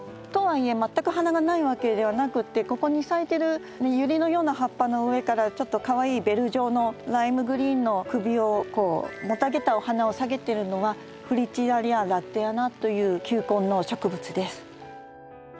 とはいえ全く花がないわけではなくってここに咲いてるユリのような葉っぱの上からちょっとかわいいベル状のライムグリーンの首をこうもたげたお花を下げてるのはフリチラリアラッデアナという球根の植物です。